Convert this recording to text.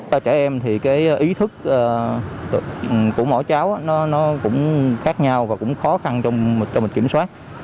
cho trẻ em thì cái ý thức của mỗi cháu nó cũng khác nhau và cũng khó khăn cho mình kiểm soát